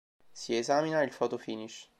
Si esamina il fotofinish.